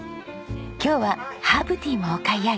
今日はハーブティーもお買い上げ。